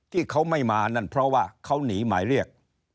ที่เขาไม่มานั่นเพราะว่าเขาหนีหมายเรียก